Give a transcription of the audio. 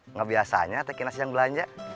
nggak biasanya teki nasi yang belanja